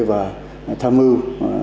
và tham ưu